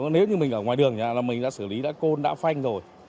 nếu như mình ở ngoài đường thì mình đã xử lý đã côn đã phanh rồi